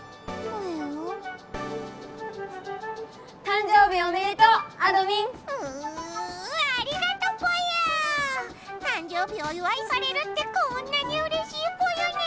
誕生日おいわいされるってこんなにうれしいぽよね！